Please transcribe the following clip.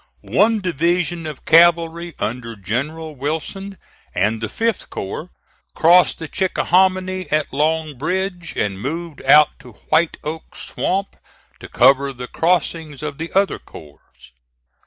One division of cavalry, under General Wilson, and the 5th corps, crossed the Chickahominy at Long Bridge, and moved out to White Oak Swamp, to cover the crossings of the other corps.